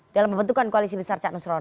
dalam pembentukan koalisi besar canusron